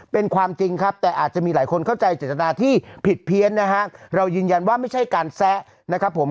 เป็นความจริงครับแต่อาจจะมีหลายคนเข้าใจเจตนาที่ผิดเพี้ยนนะฮะเรายืนยันว่าไม่ใช่การแซะนะครับผม